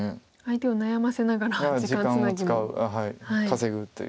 相手を悩ませながら時間つなぎも。